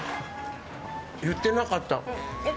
言ってなかった。